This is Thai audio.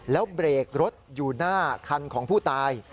แล้วเบรกรถอยู่หน้าคันของผู้ตาย